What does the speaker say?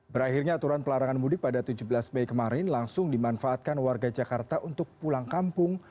berakhirnya aturan pelarangan mudik pada tujuh belas mei kemarin langsung dimanfaatkan warga jakarta untuk pulang kampung